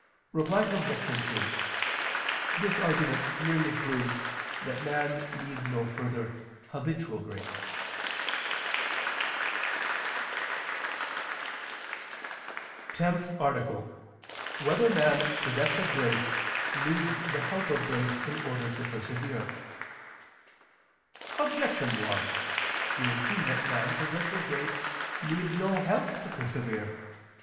Reply Obj. 3: This argument merely proves that man needs no further habitual grace. ________________________ TENTH ARTICLE [I II, Q. 109, Art. 10] Whether Man Possessed of Grace Needs the Help of Grace in Order to Persevere? Objection 1: It would seem that man possessed of grace needs no help to persevere.